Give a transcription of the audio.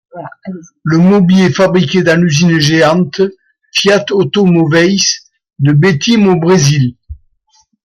Le Mobi est fabriqué dans l'usine géante Fiat Automoveïs de Bétim au Brésil.